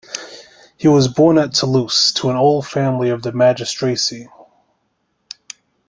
He was born at Toulouse to an old family of the magistracy.